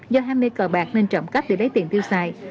do hai mươi cờ bạc nên trộm cắp để lấy tiền tiêu xài